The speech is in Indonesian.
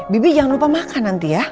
bibi jangan lupa makan nanti ya